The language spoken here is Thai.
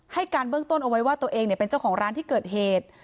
ให้การเบื้องต้นเอาไว้ว่าตัวเองเป็นเจ้าของร้านที่เกิดเหตุ